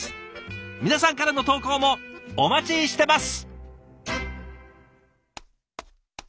皆さんからの投稿もお待ちしてます！